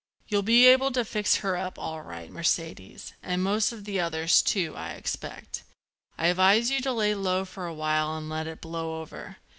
You'll be able to fix her up all right, Mercedes, and most of the others, too, I expect. I'd advise you to lie low for a while and let it blow over.